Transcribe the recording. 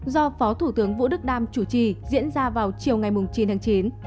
do phó thủ tướng vũ đức đam chủ trì diễn ra vào chiều ngày chín tháng chín